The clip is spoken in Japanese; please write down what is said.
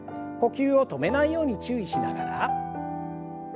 呼吸を止めないように注意しながら。